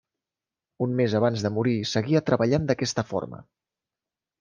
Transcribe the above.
Un mes abans de morir seguia treballant d'aquesta forma.